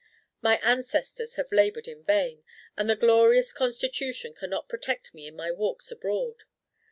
My ancestors have laboured in vain, and the glorious Constitution cannot protect me in my walks abroad.